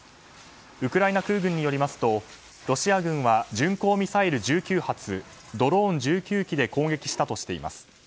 ウクライナ空軍によりますとロシア軍は巡航ミサイル１９発ドローン１９機で攻撃したとしています。